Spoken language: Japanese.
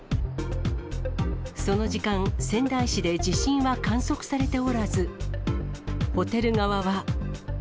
その時間、仙台市で地震は観測されておらず、ホテル側は。